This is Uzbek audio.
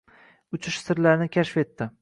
uchish sirlarini kashf etdi.